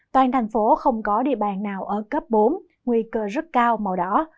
toàn thành phố không có địa bàn nào ở cấp bốn nguy cơ rất cao màu đỏ